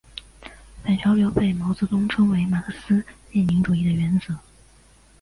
反潮流被毛泽东称为马克思列宁主义的原则。